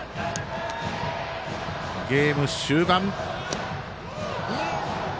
ゲーム終盤。